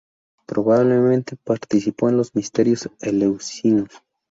Probablemente participó en los Misterios eleusinos.